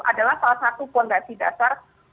adalah salah satu fondasi dasar